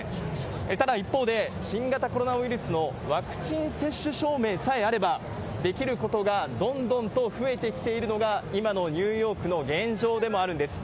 ただ一方で、新型コロナウイルスのワクチン接種証明さえあれば、できることがどんどんと増えてきているのが、今のニューヨークの現状でもあるんです。